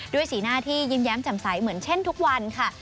สีหน้าที่ยิ้มแย้มจำใสเหมือนเช่นทุกวันค่ะ